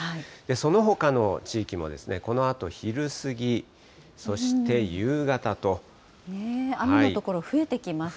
そのほかの地域も、このあと昼過雨の所増えてきますよね。